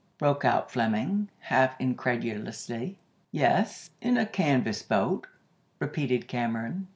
broke out Fleming, half incredulously. "Yes, in a canvas boat," repeated Cameron.